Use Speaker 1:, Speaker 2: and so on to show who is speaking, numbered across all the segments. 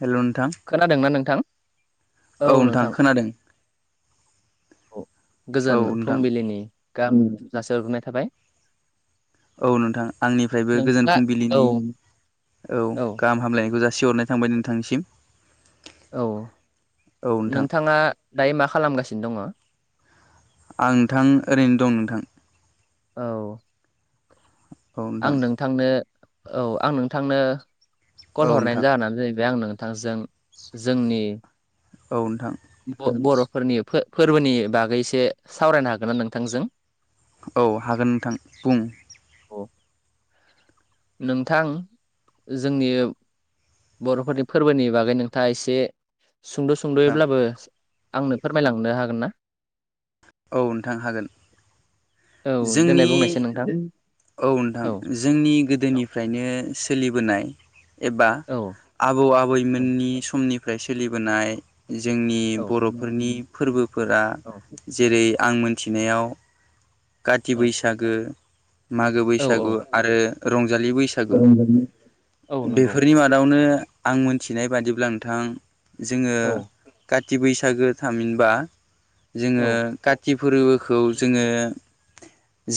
Speaker 1: हेल' नोंथां
Speaker 2: खोनादोंना नोंथां?
Speaker 1: औ नोंथां खोनादों।
Speaker 2: औ
Speaker 1: औ
Speaker 2: गोजोन
Speaker 1: नोंथां
Speaker 2: फुंबिलिनि गामि जासे हरग्रोनाय थाबाय।
Speaker 1: औ नोंथां आंनिफ्रायबो गोजोन
Speaker 2: नोंथाङा औ
Speaker 1: फुंबिलिनि औ गाहाम हामलायनायखौ जा सिहरनाय थांबाय नोंथांनिसिम।
Speaker 2: औ
Speaker 1: औ नोंथां
Speaker 2: नोंथाङा दायो मा खालाम गासिनो दङ?
Speaker 1: आं नोंथां ओरैनो दं नोंथां।
Speaker 2: औ।
Speaker 1: औ
Speaker 2: आं
Speaker 1: नोंथां
Speaker 2: नोंथांनो औ आं नोंथांनो कल
Speaker 1: औ
Speaker 2: हरनायानो
Speaker 1: नोंथां
Speaker 2: जाहोना जाहैबाय आं नो थांजों जोंनि
Speaker 1: औ नोंथां
Speaker 2: बर - बर' फोरनि फोरबोनि बागैसे सावरायनो हागोन ना नोंथांजों?
Speaker 1: औ हागोन नोंथां बुं
Speaker 2: औ नोंथां जोंनि बर'फोरनि फोरबोनि बागै नोंथाङा एसे सुंद' सुंद'यैब्लाबो आंनो फोरमायलांनो हागोन ना?
Speaker 1: औ नोंथां हागोन।
Speaker 2: औ देनाय
Speaker 1: जोंनि
Speaker 2: बुंनायसै नोंथां
Speaker 1: औ नोंथां जोंनि
Speaker 2: औ
Speaker 1: गोदोनिफ्रायनो सो लिबोनाय एबा
Speaker 2: औ
Speaker 1: आबौ
Speaker 2: औ
Speaker 1: आबैमोननि समनिफ्राय सोलिबोनाय जोंनि
Speaker 2: औ
Speaker 1: बर'फोरनि फोरबोफोरा जेरै आं मोनथिनायाव काथि
Speaker 2: औ
Speaker 1: बैसागो, मागो
Speaker 2: औ
Speaker 1: बैसागु आरो रंज रंजालि बैसागो
Speaker 2: औ नंगौ
Speaker 1: बेफोरनि मादावनो आं मोनथिनाय बादिब्ला नोंथां जोङो
Speaker 2: औ
Speaker 1: का ति बैसागो थामहिनबा
Speaker 2: औ
Speaker 1: जोङो काति फोरबोखौ जोङो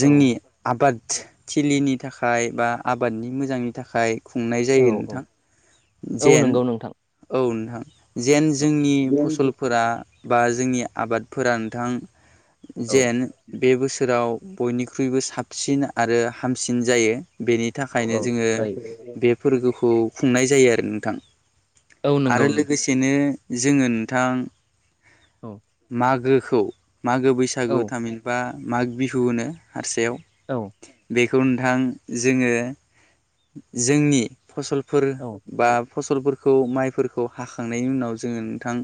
Speaker 2: औ
Speaker 1: आबादथिलिनि थाखाय बा आबादनि मोजांनि थाखाय खुंनाय
Speaker 2: औ
Speaker 1: जायो।
Speaker 2: औ
Speaker 1: नोंथां
Speaker 2: औ
Speaker 1: जेन
Speaker 2: नंगौ नोंथां
Speaker 1: औ थां जेन
Speaker 2: औ
Speaker 1: जोंनि फसलफोरा बा जोंनि आबादफोरा नोंथां
Speaker 2: औ
Speaker 1: जेन बे बोसोराव बयनिख्रुइबो साबसिन आरो हामसिन जायो। बेनि
Speaker 2: औ
Speaker 1: थाखायनो
Speaker 2: औ
Speaker 1: जोङो
Speaker 2: जायो
Speaker 1: बे फोरबोखौ खुंनाय जायो आरो नोंथां।
Speaker 2: औ
Speaker 1: आरो
Speaker 2: नंगौ नोंथां
Speaker 1: लोगोसेनो जोङो नोंथां
Speaker 2: औ
Speaker 1: मागो खौ मागो
Speaker 2: औ
Speaker 1: बैसागु तामहिनबा माग बिहु होनो हारसायाव‌।
Speaker 2: औ।
Speaker 1: खौ नोंथां जोङो जोंनि फसलफोर
Speaker 2: औ
Speaker 1: बा फसलफोरखौ माइफोरखौ हाखांनायनि उनाव जोङो नोंथां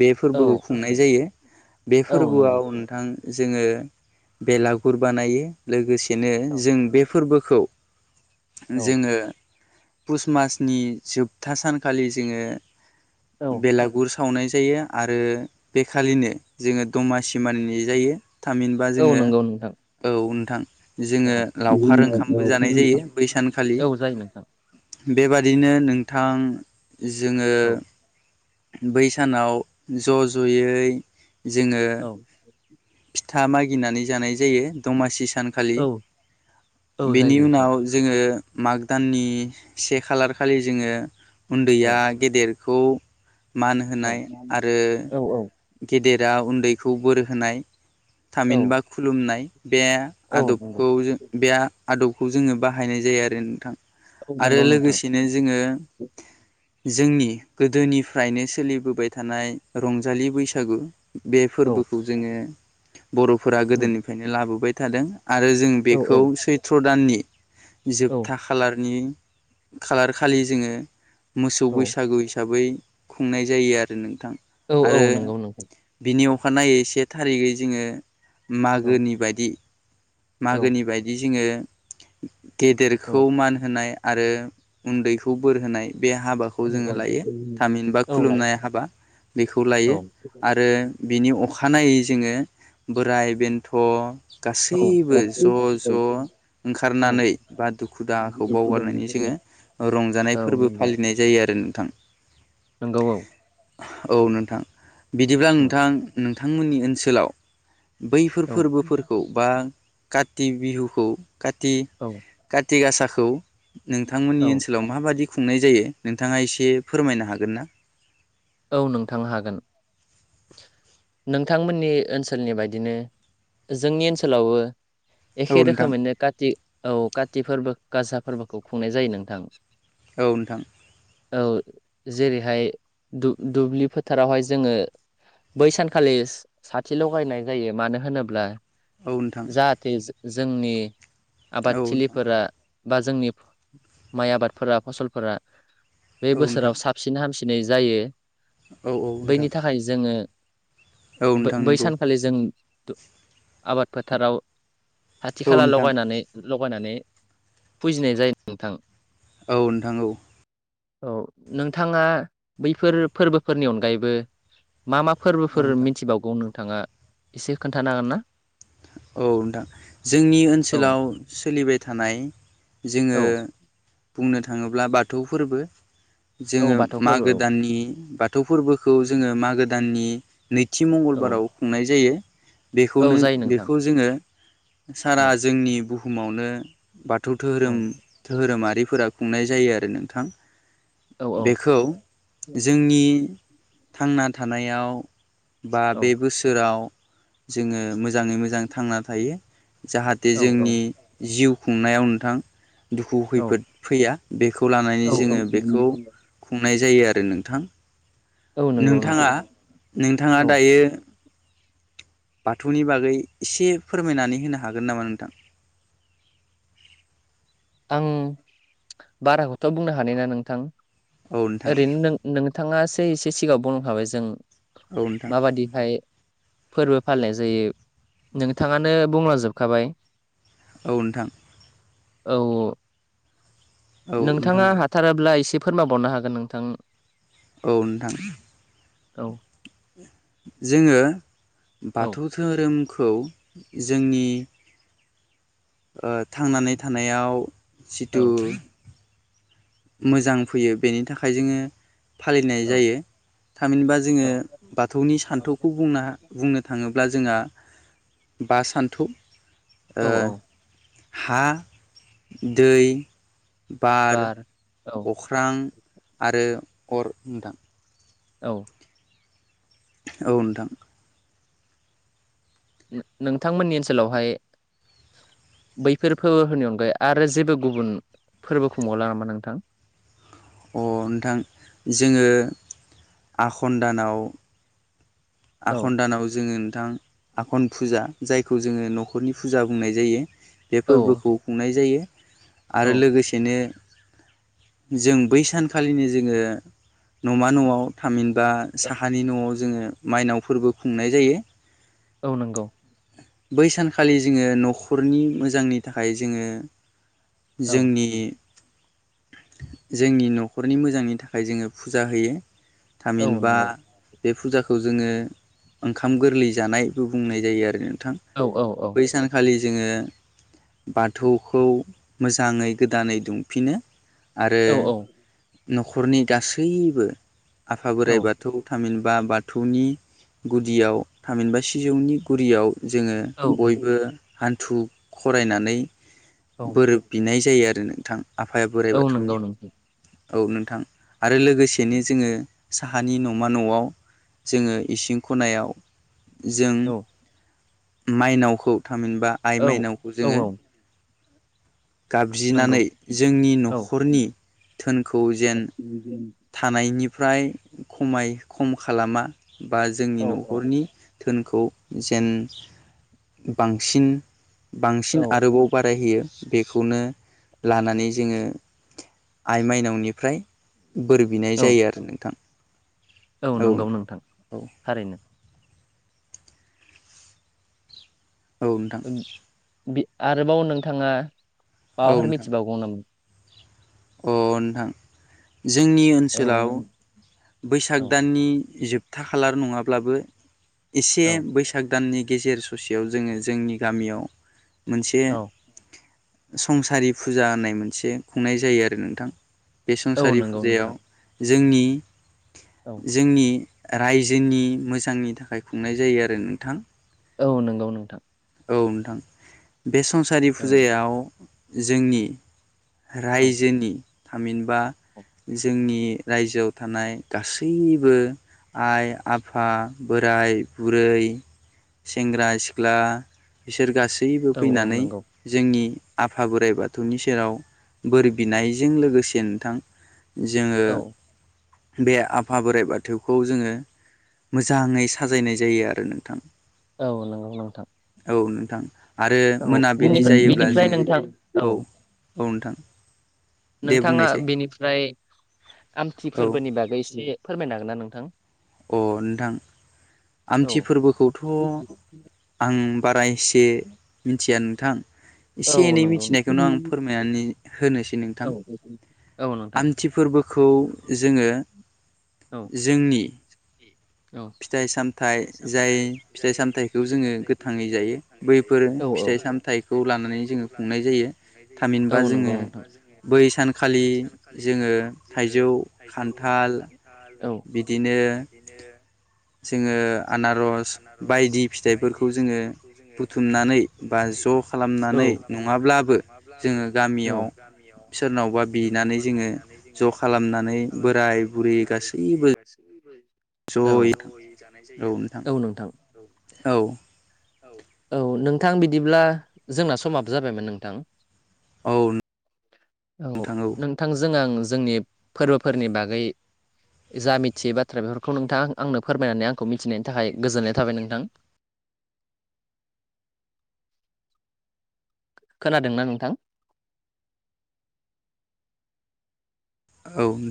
Speaker 1: बे फोरबोखौ
Speaker 2: औ
Speaker 1: खुंनाय जायो बे
Speaker 2: नंगौ
Speaker 1: फोरबोआव नोंथां जोङो बेलागुर बानायो लोगोसेनो जों बे फोरबोखौ
Speaker 2: औ
Speaker 1: जोङो पुस मासनि जोबथा सानखालि जोङो
Speaker 2: औ
Speaker 1: बेलागुर सावनाय जायो। आरो बेखालिनो जोङो दमासि मानिनाय जायो। थामहिनबा
Speaker 2: औ
Speaker 1: जोङो
Speaker 2: नंगौ नोंथां
Speaker 1: औ नोंथां
Speaker 2: औ
Speaker 1: जोङो लावखार ओंखामबो जानाय जायो। बै सानखालि
Speaker 2: औ जायो नोंथां।
Speaker 1: बेबादिनो नोंथां जोङो
Speaker 2: औ
Speaker 1: बै सानाव ज' ज'यै जोङो
Speaker 2: औ
Speaker 1: फिथा मागिनानै जानाय जायो दमासि सानखालि।
Speaker 2: औ औ
Speaker 1: बेनि
Speaker 2: जायो
Speaker 1: उनाव
Speaker 2: नोंथां
Speaker 1: ओ माग दाननि से खालार खालि जोङो
Speaker 2: औ
Speaker 1: उन्दैया गेदेर खौ मान
Speaker 2: औ
Speaker 1: होनाय आरो गेदेद दा उन्दैखौ बोर होनाय थामिनबा खुलुमनाय बे
Speaker 2: औ औ नंगौ
Speaker 1: आदबखौ जों बे आदबखौ जोङो बाहायनाय जायो आरो नोंथां।
Speaker 2: औ
Speaker 1: आरो
Speaker 2: नंगौ नोंथां
Speaker 1: लोगोसेनो जोङो जोंनि गोदोनिफ्रायनो सोलिबोबाय थानाय रंजालि बैसागु बे
Speaker 2: औ
Speaker 1: फोरबोखौ जोङो बर'फोरा
Speaker 2: उम
Speaker 1: गोदोनिफ्रायनो लाबोबाय थादों आरो जों
Speaker 2: औ
Speaker 1: बेखौ सैथ्र' दाननि
Speaker 2: औ
Speaker 1: जोबथा खालारनि खालार खालि जोङो मोसौ
Speaker 2: औ
Speaker 1: बैसागु हिसाबै खुंनाय जायो आरो नोंथां।
Speaker 2: औ
Speaker 1: आरो
Speaker 2: औ नंगौ नोंथां
Speaker 1: बिनि अखानायै से थारिगै जोङो
Speaker 2: औ
Speaker 1: मागोनि बायदि
Speaker 2: औ
Speaker 1: मागोनि बायदि जोङो
Speaker 2: औ
Speaker 1: गेदेरखौ मान होनाय आरो उन्दैखौ बोर होनाय बे हाबाखौ जोङो लायो थामिन बा
Speaker 2: औ औ लायो
Speaker 1: खुलुमनाय हाबा बेखौ
Speaker 2: औ
Speaker 1: लायो आरो बिनि अखा अखानायै जोङो बोराय बेन्थ' गा
Speaker 2: औ
Speaker 1: गासैबो ज' ज'
Speaker 2: औ
Speaker 1: ओंखारनानै बा दुखु दाहाखौ
Speaker 2: दुखु औ
Speaker 1: बावगारनानै जोङो रंजानाय फोरबो
Speaker 2: नंगौ
Speaker 1: फालिनाय जायो आरो नोंथां।
Speaker 2: नंगौ औ।
Speaker 1: औ नोंथां बिदिब्ला नोंथां नोंथांमोननि ओनसोलाव बैफोर
Speaker 2: औ
Speaker 1: फोरबोफोरखौ बा काति बिहुखौ काति काति गासाखौ नोंथांमोननि
Speaker 2: औ
Speaker 1: ओनसोलाव माबादि खुंनाय जायो नोंथाङा एसे फोरमायनो हागोन ना?
Speaker 2: औ नोंथां हागोन। नोंथांमोननि ओनसोलनि बायदिनो जोंनि ओनसोलावबो
Speaker 1: औ
Speaker 2: एखे
Speaker 1: नोंथां।
Speaker 2: रोखोमैनो काति औ काति फोरबो गासा फोरबोखौ खुंनाय जायो नोंथां।
Speaker 1: औ नोंथां।
Speaker 2: औ जेरैहाय दु-दुब्लि फोथारावहाय जोङो बै सानखालि साथि लगायनाय जायो मानो होनोब्ला
Speaker 1: औ नोंथां औ नोंथां
Speaker 2: जाहाथे जोंनि
Speaker 1: औ
Speaker 2: आबादथिलिफोरा बा जोंनि माइ आबादफोरा फसलफोरा बे
Speaker 1: नोंथां
Speaker 2: बोसोराव साबसिन हामसि नै जायो
Speaker 1: औ नोंथां
Speaker 2: बैनि थाखाय जोङो
Speaker 1: औ
Speaker 2: बै
Speaker 1: नोंथां
Speaker 2: बै
Speaker 1: नंगौ
Speaker 2: सानखालि जों आबाद फोथाराव खाथि
Speaker 1: औ
Speaker 2: खाला
Speaker 1: नोंथां।
Speaker 2: लगायनानै लगायनानै फुजिनाय जायो नोंथां।
Speaker 1: औ नोंथां औ।
Speaker 2: औ नोंथाङा बैफोर फोरबोफोरनि अनगायैबो मा मा फोरबोफोर
Speaker 1: नोंथां
Speaker 2: मिथिबावगौ नोंथाङा एसे खोन्थानो हागोन ना?
Speaker 1: औ नोंथां जोंनि
Speaker 2: औ
Speaker 1: ओनसोलाव सोलिबाय थानाय जोङो
Speaker 2: औ
Speaker 1: बुंनो थाङोब्ला बाथौ फोरबो
Speaker 2: औ
Speaker 1: जोङो
Speaker 2: बाथौ फोरबो
Speaker 1: मागो
Speaker 2: औ
Speaker 1: दाननि बाथौ फोरबोखौ जोङो मागो दाननि नैथि मंगलबाराव खुंनाय जायो।
Speaker 2: औ
Speaker 1: बेखौनो
Speaker 2: जायो नोंथां
Speaker 1: बेखौ जोङो सारा
Speaker 2: औ
Speaker 1: जोंनि बुहुमावनो‌ बाथौ
Speaker 2: औ
Speaker 1: धोरोम धोरोमारिफोरा खुंनाय जायो आरो नोंथां।
Speaker 2: औ
Speaker 1: बेखौ जोंनि थांना थानायाव बा
Speaker 2: औ
Speaker 1: बे बोसोराव जोङो मोजाङै मोजां थांना थायो जाहाथे जोंनि जिउ खुंनायाव नोंथां दुखु
Speaker 2: औ
Speaker 1: खैफोद फैया बेखौ लानानै
Speaker 2: औ
Speaker 1: जोङो बेखौ खुं नाय जायो आरो नोंथां
Speaker 2: औ नंगौ
Speaker 1: नोंथाङा
Speaker 2: नोंथां
Speaker 1: नोंथाङा
Speaker 2: औ
Speaker 1: दायो बाथौनि बागै एसे फोरमायनानै होनो हागोन नामा नोंथां?
Speaker 2: आं बाराखौथ' बुंनो हानाय नङा नोंथां
Speaker 1: औ नोंथां
Speaker 2: ओरैनो नों नोंथाङासो एसे सिगाङाव बुंखाबाय जों
Speaker 1: औ नोंथां
Speaker 2: माबादिहाय फोरबो फालिनाय जायो नोंथाङानो बुंलांजोबखाबाय।
Speaker 1: औ नोंथां।
Speaker 2: औ औ
Speaker 1: औ नोंथां
Speaker 2: नोंथाङा
Speaker 1: औ
Speaker 2: हाथाराब्ला एसे फोरमायबावनो हागोन नोंथां।
Speaker 1: औ नोंथां
Speaker 2: औ
Speaker 1: जोङो
Speaker 2: औ
Speaker 1: बाथौ धोरोमखौ जोंनि ओ थांनानै थानायाव
Speaker 2: औ
Speaker 1: जिथु मोजां फैयो बेनि थाखाय जोङो फालिनाय
Speaker 2: औ
Speaker 1: जायो। थामहिनबा जोङो
Speaker 2: औ
Speaker 1: बाथौनि सान्थौखौ बुंना बुंनो थाङोब्ला जोंहा बा सान्थौ
Speaker 2: औ
Speaker 1: ओ
Speaker 2: औ
Speaker 1: हा, दै बार,
Speaker 2: औ
Speaker 1: अख्रां आरो अर नोंथां।
Speaker 2: औ
Speaker 1: औ नोंथां
Speaker 2: नोंथांमोननि ओनसोलावहाय बैफोर फोरबोफोरनि अनगायै आरो जेबो गुबुन फोरबो खुंबावला नामा नोंथां?
Speaker 1: अ नोंथां जोङो आखन दानाव
Speaker 2: औ
Speaker 1: आखन दानाव जोङो थां आघन फुजा जायखौ जोङो न'खरनि फुजा बुंनाय जायो। बे
Speaker 2: औ
Speaker 1: फोरबोखौ खुंनाय जायो आरो
Speaker 2: औ
Speaker 1: लोगोसेनो जों बै सानखालिनो जोङो न'मा न'आव थामिन बा
Speaker 2: औ
Speaker 1: साहानि न'आव जोङो माइनाव फोरबो खुंनाय जायो।
Speaker 2: औ नंगौ
Speaker 1: बै सानखालि जोङो न'खरनि मोजांनि थाखाय जोङो
Speaker 2: औ
Speaker 1: जोंनि जोंनि न'खरनि मोजांनि थाखाय जोङो फुजा होयो।
Speaker 2: औ
Speaker 1: थामिनबा
Speaker 2: नंगौ
Speaker 1: बे फुजाखौ जोङो ओंखाम गोरलै जानायबो बुंनाय जायो आरो। नोंथां
Speaker 2: औ औ
Speaker 1: बै सानखालि जोङो बाथौखौ मोजाङै गोदानै दुंफिनो आरो
Speaker 2: औ
Speaker 1: न'खरनि गासैबो आफा बोराइ बाथौ तामिन बा बाथौनि गुदियाव थामिनबा सिजौनि गुदियाव जोंङो
Speaker 2: औ
Speaker 1: बयबो हान्थु खरायनानै
Speaker 2: औ
Speaker 1: बोर बिनाय जायो आरो नोंथां आफाया बोराइ
Speaker 2: औ नंगौ
Speaker 1: बाथौनियाव
Speaker 2: नोंथां
Speaker 1: औ नोंथां आरो लोगोसेनो जोंङो साहानि न'मा न'आव जोङो इसिं खनायाव जों
Speaker 2: औ
Speaker 1: माइनावखौ थामहिनबा
Speaker 2: औ
Speaker 1: आइ माइनावखौ
Speaker 2: औ
Speaker 1: जोंङो
Speaker 2: औ नंगौ
Speaker 1: गाबज्रिनानै जोंनि
Speaker 2: औ
Speaker 1: न'खरनि धोन
Speaker 2: [unintelligible]
Speaker 1: थानायनिफ्राय खमाय खम खालामा बा जोंनि
Speaker 2: औ
Speaker 1: न'खरनि धोनखौ जेन बांसिन बांसिन आरोबाव बारायहैयो बेखौनो लानानै जोंङो आइ माइनावनिफ्राय बोर बिनाय
Speaker 2: औ
Speaker 1: जायो आरो नोंथां
Speaker 2: औ नंगौ नोंथां
Speaker 1: औ
Speaker 2: थारैनो
Speaker 1: औ नोंथां
Speaker 2: बि आरोबाव नोंथाङा
Speaker 1: औ
Speaker 2: माबफोर
Speaker 1: नोंथां
Speaker 2: मिथिबावगौ नामा?
Speaker 1: अ नोंथां जोंनि
Speaker 2: औ
Speaker 1: ओनसोलाव बैसाग
Speaker 2: औ
Speaker 1: दाननि जोब जोबथा खालार नङाब्लाबो एसे
Speaker 2: औ
Speaker 1: बैसाग गोदाननि गेजेर ससेयाव जोंङो जोंनि गामियाव मोनसे
Speaker 2: औ
Speaker 1: संसारि फुजा होननाय मोनसे खुंनाय जायो आरो नोंथां बे
Speaker 2: औ
Speaker 1: संसारि
Speaker 2: नंगौ
Speaker 1: फुजायाव
Speaker 2: नोंथां
Speaker 1: जोंनि
Speaker 2: औ
Speaker 1: जोंनि रायजोनि मोजांनि थाखाय खुंनाय जायो आरो नोंथां
Speaker 2: औ नंगौ नोंथां
Speaker 1: औ नोंथां बे संसारि
Speaker 2: औ
Speaker 1: फुजायाव जोंनि
Speaker 2: औ
Speaker 1: रायजो थामिनबा जोंनि रायजोआव थानाय गासैबो आइ आफा बोराय बुरै सेंग्रा सिख्ला बिसोर गासै गासैबो
Speaker 2: औ औ
Speaker 1: फैनानै
Speaker 2: नंगौ
Speaker 1: जोंनि आफा बोराइ बाथौनि सेराव बोर बियो बिनायजों लोगोसे नोंथां जोङो
Speaker 2: औ
Speaker 1: बे आफा बोराइ बाथौखौ जोंङो मोजाङै साजायनाय जायो आरो नोंथां
Speaker 2: औ नोंगौ नोंथां
Speaker 1: औ नोंथां आरो
Speaker 2: औ
Speaker 1: मोनाबिलि
Speaker 2: बिनिफ्राय
Speaker 1: जायोब्ला
Speaker 2: बिनिफ्राय
Speaker 1: जोंङो
Speaker 2: नोंथां
Speaker 1: औ औ नोंथां दे
Speaker 2: नोंथाङा
Speaker 1: बुंनायसै
Speaker 2: बेनिफ्राय आमथि
Speaker 1: औ
Speaker 2: फोरबोनि बागै एसे फोरमायनो हागोन ना नोंथां
Speaker 1: अ नोंथां
Speaker 2: औ
Speaker 1: आमथि फोरबोखौथ' आं बारा एसे मिथिया नोंथां
Speaker 2: औ
Speaker 1: एसे एनै
Speaker 2: नंगौ
Speaker 1: मिथिनायखौनो आं फोरमायनानै होनोसै नोंथां
Speaker 2: औ औ नोंथां
Speaker 1: आमथि फोरबोखौ जोङो
Speaker 2: औ
Speaker 1: जोंनि
Speaker 2: औ
Speaker 1: फिथाइ साम थाय जाय फिथाइ सामथायाइखौ जोङो गोथाङै जायो बैफोर
Speaker 2: औ औ
Speaker 1: फिथाइ सामथायाइखौ ला नानै जोङो खुंनाय जायो थामहिनबा
Speaker 2: जेनेबा
Speaker 1: जोङो बै सानखालि जोङो। थाइजौ खान्थाल बिदिनो जोङो आनारस बायदि फिथाइफोरखौ जोङो बुथुमनानै बा ज' खालामनानै नङाब्लाबो जोङो गामियाव सोरनावबा बिनानै जोङो ज खालामनानै बोराय बुरि
Speaker 2: बे गासिखौबो औ
Speaker 1: ज'यै
Speaker 2: जयै जानाय जायो आरो औ नोंथां औ।
Speaker 1: औ
Speaker 2: औ औ नोंथां बिदिब्ला जोंना समाबो जाबायमोन नोंथां।
Speaker 1: औ।
Speaker 2: औ नोंथांजों आं जोंनि फोरबोफोरनि बागै जा मिथियै बाथ्रा बेफोरखौ नोंथां आंनो फोरमायनानै आंखौ मिथिनायनि थाखाय गोजोननाय थाबाय नोंथां‌। [inaudible] खोनादोंना नोंथां?
Speaker 1: औ